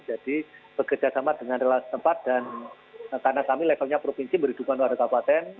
jadi bekerja sama dengan relasi tempat dan karena kami levelnya provinsi berhidupan luar kabupaten